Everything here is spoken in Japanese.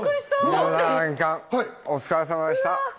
１７年間、お疲れさまでした。